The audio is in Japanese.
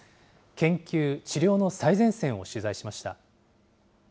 研究、治療の最前線を取材しました。